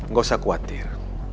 gak usah khawatir